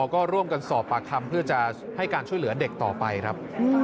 ก็ร่วมกันสอบปากคำเพื่อจะให้การช่วยเหลือเด็กต่อไปครับ